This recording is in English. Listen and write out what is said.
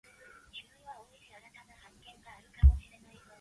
He inherited the county of Rethel from his mother.